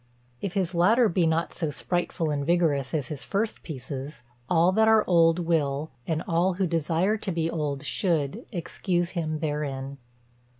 If his latter be not so spriteful and vigorous as his first pieces, all that are old will, and all who desire to be old should, excuse him therein."